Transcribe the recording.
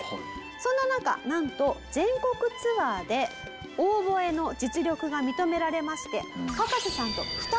そんな中なんと全国ツアーでオーボエの実力が認められまして。